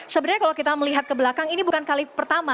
sebenarnya kalau kita melihat ke belakang ini bukan kali pertama